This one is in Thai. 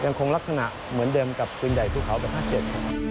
ยังคงลักษณะเหมือนเดิมกับปืนใหญ่ภูเขาแบบ๕๑